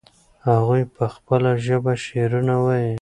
هغوی په خپله ژبه شعرونه وایي.